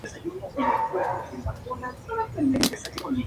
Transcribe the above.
Realizó una extensa carrera judicial en la Provincia de Buenos Aires.